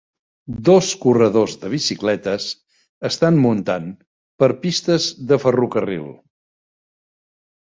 Dos corredors de bicicletes estan muntant per pistes de ferrocarril.